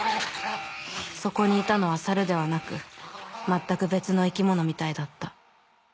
そこにいたのは猿ではなく全く別の生き物みたいだった。